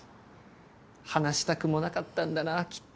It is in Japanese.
話したくもなかったんだなきっと。